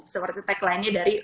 seperti tagline nya dari